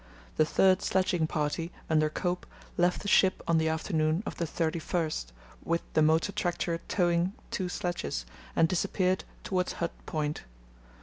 The third sledging party, under Cope, left the ship on the afternoon of the 31st, with the motor tractor towing two sledges, and disappeared towards Hut Point.